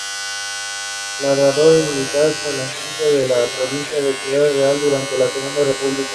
Labrador y militante falangista de la provincia de Ciudad Real, durante la Segunda República.